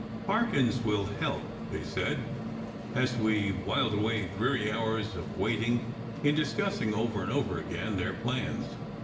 "Parkins will help," they said, as we whiled away dreary 248 SECRET HISTORY hours of waiting in discussing over and over again their plans.